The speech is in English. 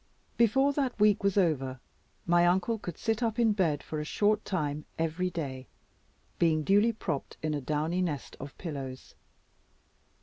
Before that week was over, my uncle could sit up in bed for a short time every day, being duly propped in a downy nest of pillows.